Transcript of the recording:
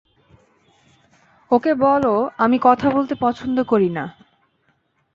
ওকে বল আমি কথা বলতে পছন্দ করি না।